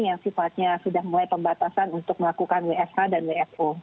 yang sifatnya sudah mulai pembatasan untuk melakukan wfh dan wfo